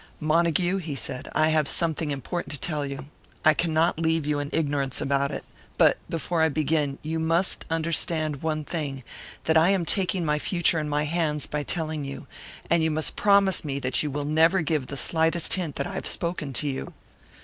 "Montague," he said, "I have something important to tell you. I cannot leave you in ignorance about it. But before I begin, you must understand one thing that I am taking my future in my hands by telling you. And you must promise me that you will never give the slightest hint that I have spoken to you."